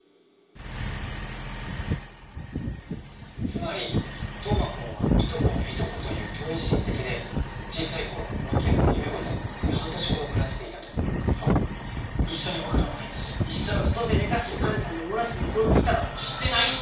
つまり冬馬君はいとこのいとこという遠い親戚で小さい頃訳あって優芽子さんのおうちで半年ほど暮らしていたとそう一緒にお風呂も入ったし一緒の布団で寝たしあんたのおもらしも掃除したわしてないし！